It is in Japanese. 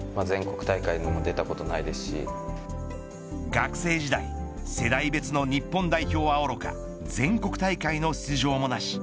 学生時代世代別の日本代表はおろか全国大会の出場もなし。